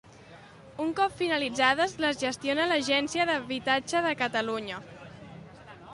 Un cop finalitzades, les gestiona l'Agència de l'Habitatge de Catalunya.